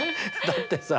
だってさ。